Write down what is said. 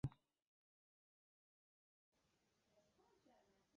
Em ê hedefa xwe bilind bikin.